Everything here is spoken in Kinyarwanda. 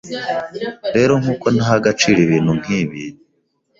Rero nkuko ntaha agaciro ibintu nkibi